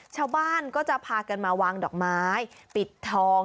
ชาวบ้านก็จะพากันมาวางดอกไม้ปิดทอง